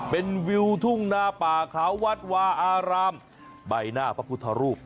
เป็นวิวทุ่งหน้าป่าเขาวัดวาอารามใบหน้าพระพุทธรูป